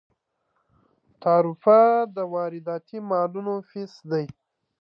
تعرفه د وارداتي مالونو فیس دی.